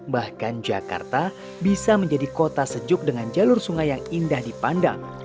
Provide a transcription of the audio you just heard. bahkan jakarta bisa menjadi kota sejuk dengan jalur sungai yang indah dipandang